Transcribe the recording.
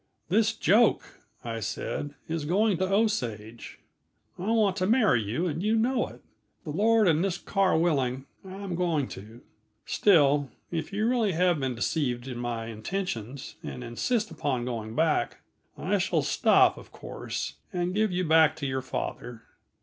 "This joke," I said, "is going to Osage. I want to marry you, and you know it. The Lord and this car willing, I'm going to. Still, if you really have been deceived in my intentions, and insist upon going back, I shall stop, of course, and give you back to your father.